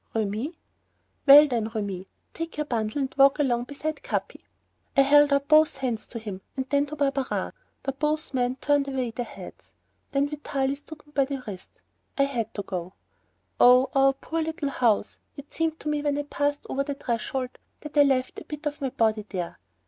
"Remi." "Well, then, Remi, take your bundle and walk along beside Capi." I held out both my hands to him, then to Barberin. But both men turned away their heads. Then Vitalis took me by the wrist. I had to go. Ah, our poor little house! It seemed to me when I passed over the threshold that I left a bit of my body there.